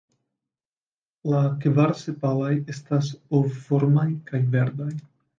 La kvar sepaloj estas ovformaj kaj verdaj.